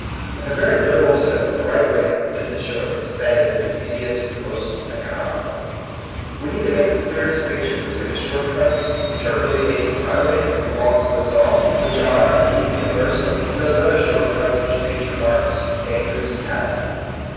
In a very literal sense the right way is the short est, that is, the easiest and most economical. We need to make a clear distinction between the short cuts which are really 82 TBE COMING PEOPLE. nature's highways, and belong to us all, which are, indeed, universal, and those other short cuts which nature marks *^ Dan gerous Passing."